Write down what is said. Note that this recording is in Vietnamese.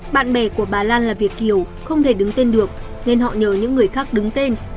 bạn bè của bà lan là việt kiều không thể đứng tên được nên họ nhờ những người khác đứng tên